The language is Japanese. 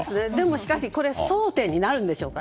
しかし争点になるんでしょうか。